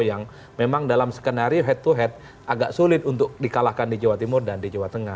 yang memang dalam skenario head to head agak sulit untuk dikalahkan di jawa timur dan di jawa tengah